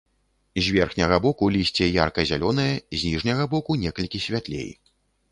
З верхняга боку лісце ярка-зялёнае, з ніжняга боку некалькі святлей.